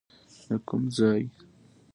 د کوم ځای؟